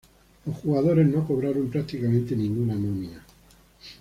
Los jugadores no cobraron prácticamente ninguna nómina.